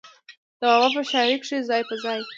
د بابا پۀ شاعرۍ کښې ځای پۀ ځای